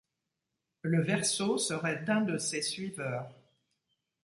Le verso serait d'un de ses suiveurs.